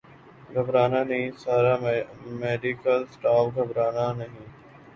گھبرا نہ نہیں ساری میڈیکل سٹاف گھبرانہ نہیں